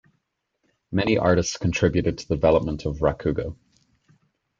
Many artists contributed to the development of rakugo.